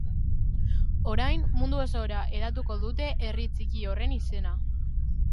Orain, mundu osora hedatuko dute herri txiki horren izena.